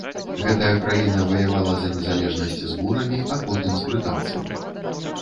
Гэтая краіна ваявала за незалежнасць з бурамі, а потым з брытанцамі.